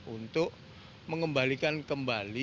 untuk mengembalikan kembali